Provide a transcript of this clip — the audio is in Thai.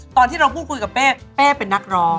ตอนที่เราพูดคุยกับเป้เป้เป็นนักร้อง